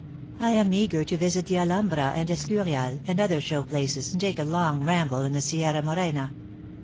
I am eager to visit the Alhambra and Escurial, and other show places, and take a long ramble in the Sierra Morena.